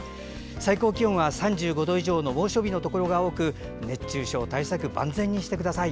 最高気温は３５度以上の猛暑日のところが多く熱中症対策、万全にしてください。